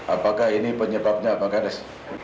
apakah ini penyebabnya pak gades